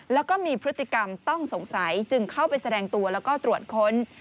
แล้วก็มีพฤติกรรมต้องสงสัยจึงเข้าไปแสดงตัวแล้วก็ตรวจค้น